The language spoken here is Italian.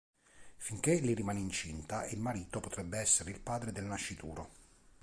Finché lei rimane incinta e il marito potrebbe essere il padre del nascituro.